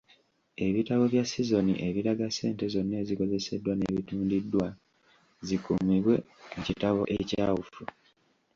Ebitabo bya sizoni ebiraga ssente zonna ezikozeseddwa n’ebitundiddwa zikuumibwe mu kitabo ekyawufu.